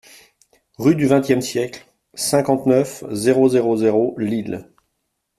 Rue du XXème Siècle, cinquante-neuf, zéro zéro zéro Lille